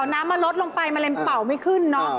อ๋อน้ำมันลดลงไปมันเลยเป่าไม่ขึ้นเนอะ